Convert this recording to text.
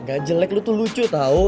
gak jelek lo tuh lucu tau